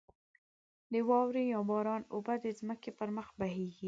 د واورې یا باران اوبه د ځمکې پر مخ بهېږې.